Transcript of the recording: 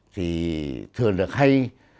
thì thường được hay